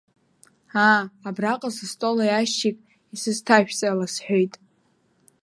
Аа, абраҟа сыстол аиашьчик исызҭашәҵала, – сҳәеит.